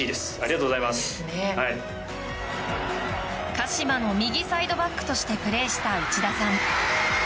鹿島の右サイドバックとしてプレーした内田さん。